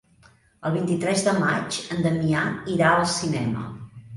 El vint-i-tres de maig en Damià irà al cinema.